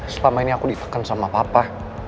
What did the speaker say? selama ini aku ditekan sama papa